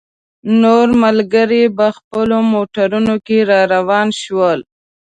نور ملګري په خپلو موټرانو کې را روان شول.